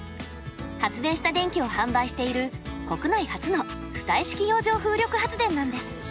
発電した電気を販売している国内初の浮体式洋上風力発電なんです。